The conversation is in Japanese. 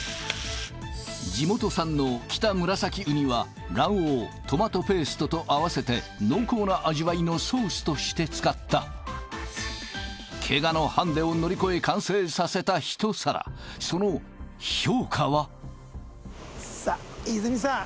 地元産のキタムラサキウニは卵黄トマトペーストと合わせて濃厚な味わいのソースとして使ったケガのハンデを乗り越え完成させた一皿その評価はさあ泉さん